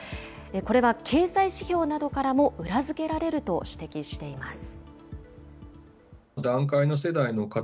これは経済指標などからも裏付けられると指摘しています。